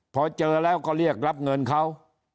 พอเจอแล้วก็เรียกรับเงินเขา